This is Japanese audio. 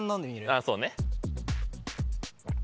あぁそうね。